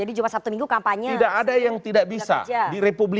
jadi jumat sabtu minggu kampanye